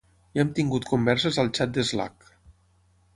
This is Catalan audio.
Ja hem tingut converses al xat de Slack.